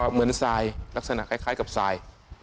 เหมือนสายลักษณะคล้ายกับสาย